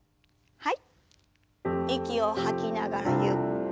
はい。